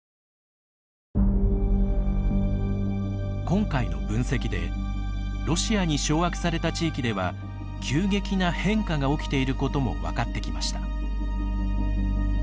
今回の分析でロシアに掌握された地域では急激な変化が起きていることも分かってきました。